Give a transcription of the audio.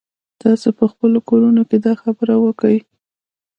تاسو په خپلو کورونو کښې دا خبره وکئ.